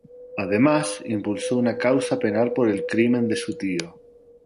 Además impulsó una causa penal por el crimen de su tío.